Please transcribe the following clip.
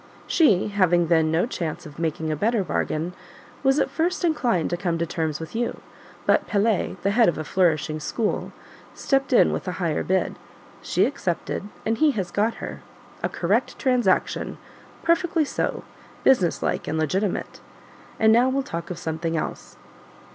She, having then no chance of making a better bargain, was at first inclined to come to terms with you, but Pelet the head of a flourishing school stepped in with a higher bid; she accepted, and he has got her: a correct transaction perfectly so business like and legitimate. And now we'll talk of something else."